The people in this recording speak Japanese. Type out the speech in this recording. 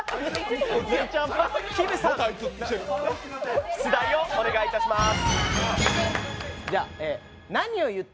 きむさん出題お願いします。